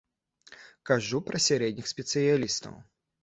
Кажу пра сярэдніх спецыялістаў.